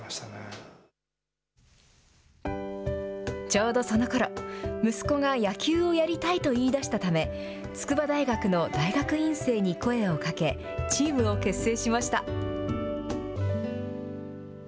ちょうどそのころ、息子が野球をやりたいと言いだしたため、筑波大学の大学院生に声をかけ、チームを結成しました。